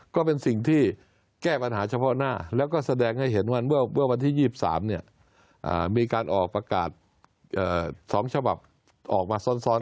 ก็เป็นสิ่งที่แก้ปัญหาเฉพาะหน้าแล้วก็แสดงให้เห็นว่าเมื่อวันที่๒๓มีการออกประกาศ๒ฉบับออกมาซ้อน